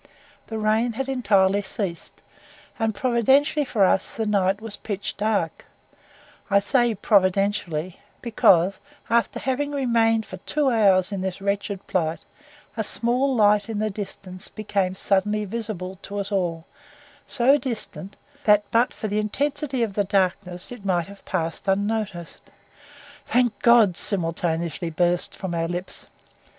The rain had entirely ceased, and providentially for us the night was pitch dark I say providentially, because after having remained for two hours in this wretched plight a small light in the distance became suddenly visible to us all, so distant, that but for the intensity of the darkness it might have passed unnoticed. "Thank God!" simultaneously burst from our lips.